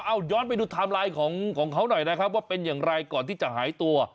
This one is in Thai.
เอาย้อนไปดูไทม์ไลน์ของเขาหน่อยนะครับว่าเป็นอย่างไรก่อนที่จะหายตัว